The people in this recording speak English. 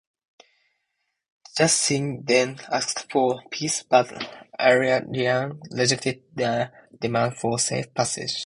The Juthungi then asked for peace but Aurelian rejected their demand for safe passage.